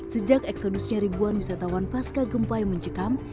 sejak eksodusnya ribuan wisatawan pasca gempa yang mencekam